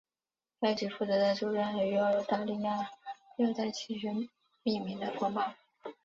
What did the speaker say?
该局负责在周边海域澳大利亚热带气旋命名的风暴。